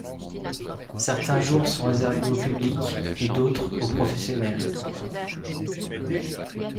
Certains jours sont réservés au public et d'autres aux professionnels.